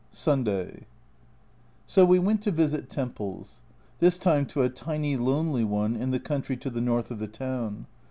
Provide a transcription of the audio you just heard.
Sunday so we went to visit temples. This time to a tiny lonely one in the country to the north of the town.